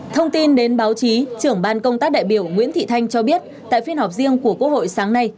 thông tin đến báo chí trưởng ban công tác đại biểu nguyễn thị thanh cho biết tại phiên họp riêng của quốc hội sáng nay